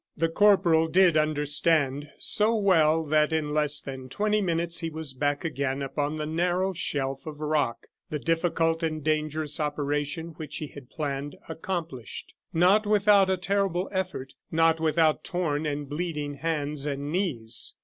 The corporal did understand so well that in less than twenty minutes he was back again upon the narrow shelf of rock, the difficult and dangerous operation which he had planned accomplished. Not without a terrible effort; not without torn and bleeding hands and knees.